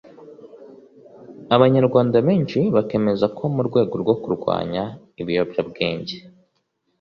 Abanyarwanda benshi bakemeza ko mu rwego rwo kurwanya ibiyobyabwenge